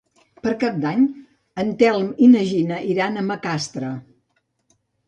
Per Cap d'Any en Telm i na Gina iran a Macastre.